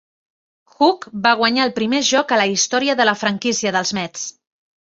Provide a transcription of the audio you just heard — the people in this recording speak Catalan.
Hook va guanyar el primer joc a la història de la franquícia dels Mets.